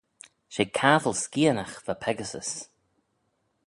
She cabbyl skianagh va Pegasus.